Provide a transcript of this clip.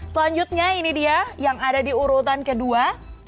selanjutnya ini dia yang ada di urutan kedua